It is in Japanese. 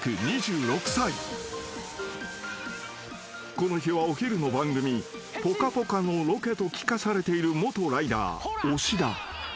［この日はお昼の番組『ぽかぽか』のロケと聞かされている元ライダー押田］